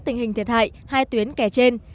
tình hình thiệt hại hai tuyến kè trên